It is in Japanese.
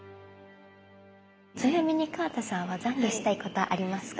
ちなみに河田さんは懺悔したいことありますか？